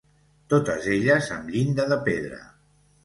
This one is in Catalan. Totes elles amb llinda de pedra.